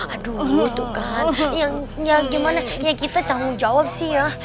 aduh iya tuh kan ya gimana ya kita tanggung jawab sih ya